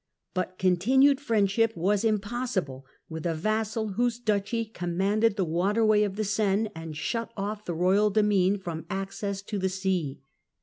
But continued friendship was impossible with a vassal whose duchy commanded the waterway of the Seine, and shut off' the royal demesne from access to the sea.